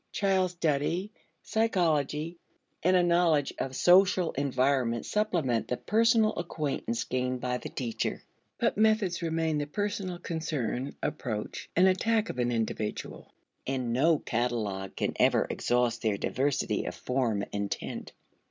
Child study, psychology, and a knowledge of social environment supplement the personal acquaintance gained by the teacher. But methods remain the personal concern, approach, and attack of an individual, and no catalogue can ever exhaust their diversity of form and tint.